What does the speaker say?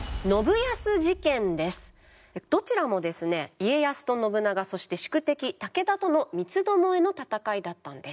どちらもですね家康と信長そして宿敵武田との三つどもえの戦いだったんです。